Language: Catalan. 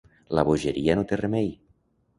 La bogeria no té remei.